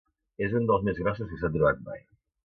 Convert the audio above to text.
És un dels més grossos que s’han trobat mai.